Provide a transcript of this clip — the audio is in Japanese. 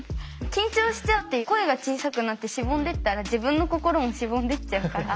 緊張しちゃって声が小さくなってしぼんでいったら自分の心もしぼんでいっちゃうから。